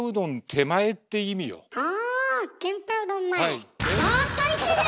天ぷらうどん前。